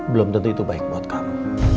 belum tentu itu baik buat kamu